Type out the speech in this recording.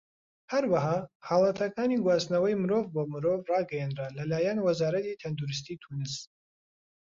هەروەها، حاڵەتەکانی گواستنەوەی مرۆڤ بۆ مرۆڤ ڕاگەیەنران لەلایەن وەزارەتی تەندروستی تونس.